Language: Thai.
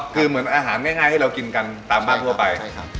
คือเหมือนอาหารง่ายให้เรากินกันตามบ้านทั่วไปใช่ครับ